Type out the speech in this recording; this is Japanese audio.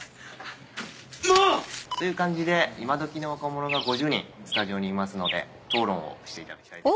もう！という感じで今どきの若者が５０人スタジオにいますので討論をしていただきたいです。